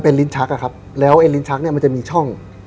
เป็นลิ้นชักแล้วลิ้นชักจะมีช่อง